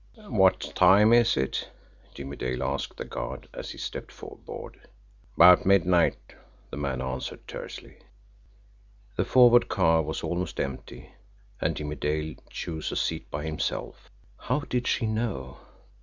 "What time is it?" Jimmie Dale asked the guard, as he stepped aboard. "'Bout midnight," the man answered tersely. The forward car was almost empty, and Jimmie Dale chose a seat by himself. How did she know?